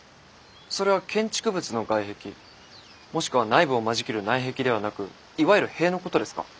それは建築物の外壁もしくは内部を間仕切る内壁ではなくいわゆる塀のことですか？